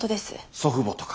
祖父母とか。